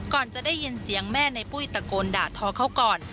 ก่อนจะได้ยินเสียงแม่ในปุ้ยตะโกนด่าทอเขาก่อน